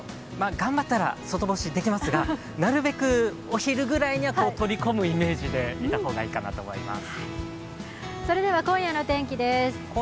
頑張ったら外干しできますがなるべく、お昼ぐらいには取り込むイメージでいた方がいいかと思います。